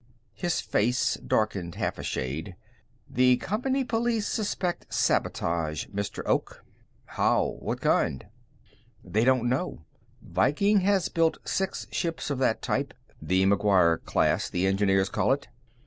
His face darkened half a shade. "The company police suspect sabotage, Mr. Oak." "How? What kind?" "They don't know. Viking has built six ships of that type the McGuire class, the engineers call it.